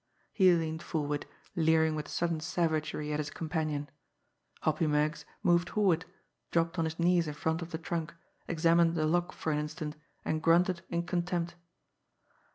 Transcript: He leaned forward, leering with sudden savagery at his companion. Hoppy Meggs moved forward, dropped on his knees in front of the trunk, examined the lock for an instant and grunted in contempt.